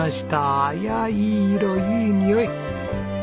いやあいい色いいにおい！